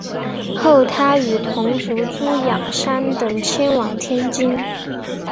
后他与同族朱仰山等迁往天津。